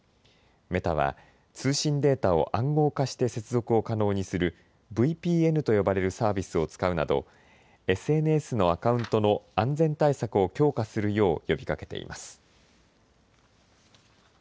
メタは通信データを暗号化して接続を可能にするＶＰＮと呼ばれるサービスを使うなどＳＮＳのアカウントの安全対策を強化するよう呼びかけています。